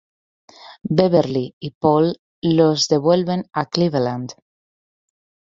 Beverly y Paul los devuelven a Cleveland.